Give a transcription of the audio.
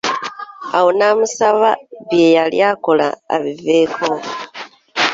Awo n'amusaba bye yali akola abiveeko.